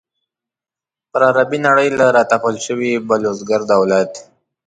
پر عربي نړۍ له را تپل شوي بلوسګر دولت.